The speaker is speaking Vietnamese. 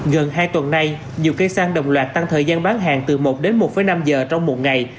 gần hai tuần nay nhiều cây xăng đồng loạt tăng thời gian bán hàng từ một đến một năm giờ trong một ngày